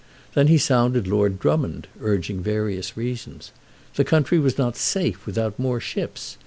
Then he sounded Lord Drummond, urging various reasons. The country was not safe without more ships.